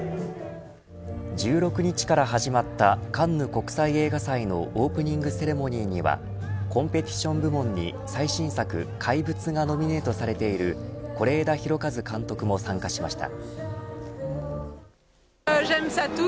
１６日から始まったカンヌ国際映画祭のオープニングセレモニーにはコンペティション部門に最新作怪物がノミネートされている是枝裕和監督も参加しました。